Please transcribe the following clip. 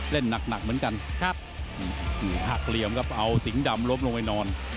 เล่นหนักเหมือนกันครับหักเหลี่ยมครับเอาสิงห์ดำล้มลงไปนอน